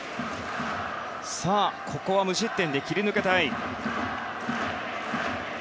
さあ、ここは無失点で切り抜けたい。